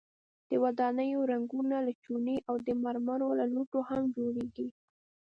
د ودانیو رنګونه له چونې او د مرمرو له لوټو هم جوړیږي.